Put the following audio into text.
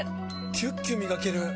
キュッキュ磨ける！